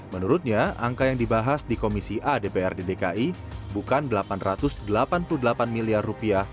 menurutnya angka yang dibahas di komisi a dprd dki bukan rp delapan ratus delapan puluh delapan miliar